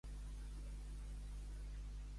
Déu ens doni una bona mort, quan sigui hora.